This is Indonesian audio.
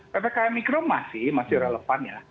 ppkm mikro masih relevan ya